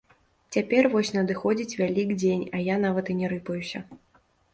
Цяпер вось надыходзіць вялікдзень, а я нават і не рыпаюся.